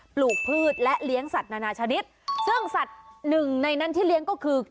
ปลูกพืชและเลี้ยงสัตว์นานาชนิดซึ่งสัตว์หนึ่งในนั้นที่เลี้ยงก็คือ